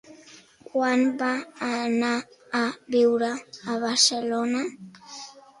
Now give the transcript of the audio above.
Quan va anar a viure a Barcelona?